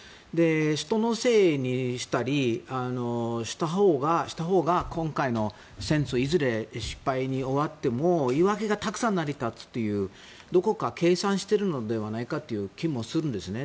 人のせいにしたりしたほうが今回の戦争がいずれ失敗に終わっても言い訳がたくさん成り立つというどこか計算してるのではないかという気もするんですね。